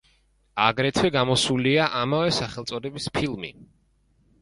აგრეთვე გამოსულია ამავე სახელწოდების ფილმი.